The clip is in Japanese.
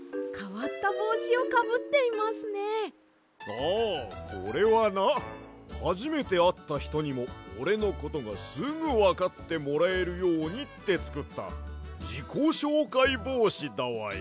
ああこれはなはじめてあったひとにもおれのことがすぐわかってもらえるようにってつくったじこしょうかいぼうしだわや。